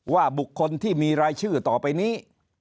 ว่าบุคคลที่มีรายชื่อต่อไปนี้